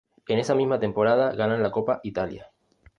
En esa misma temporada ganan la Copa Italia.